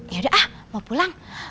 ya udah ah mau pulang